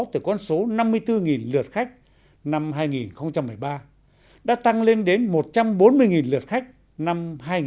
từ con số năm mươi bốn lượt khách năm hai nghìn một mươi ba đã tăng lên đến một trăm bốn mươi lượt khách năm hai nghìn một mươi tám